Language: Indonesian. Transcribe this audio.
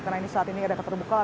karena ini saat ini ada keterbukaan